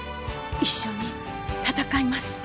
一緒に戦います。